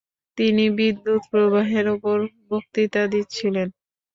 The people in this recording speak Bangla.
তিনি বিদ্যুৎ–প্রবাহের ওপর বক্তৃতা দিচ্ছিলেন।